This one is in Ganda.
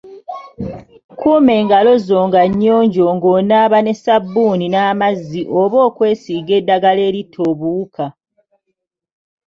Kuuma engalo zo nga nnyonjo ng’onaaba ne ssabbuuni n’amazzi oba okwesiiga eddagala eritta obuwuka.